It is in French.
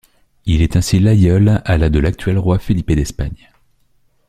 Il est ainsi l'aïeul à la de l'actuel roi Felipe d'Espagne.